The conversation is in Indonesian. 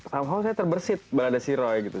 somehow saya terbersih balade sira gitu